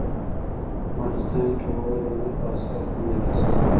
افغانستان کې اوړي د هنر په اثار کې منعکس کېږي.